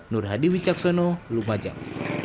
nur hadi wicaksono lumajang